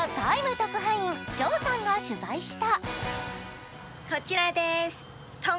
特派員ショウさんが取材した。